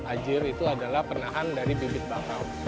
ajir itu adalah penahan dari bibit bakau